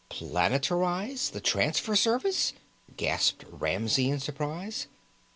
"Planetarized the Transfer Service!" gasped Ramsey in surprise.